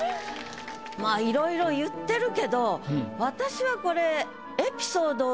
まぁいろいろ言ってるけど私はこれ。